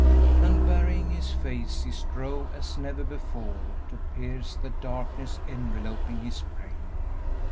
And, burying his face, he strove as never before to pierce the darkness enveloping his brain.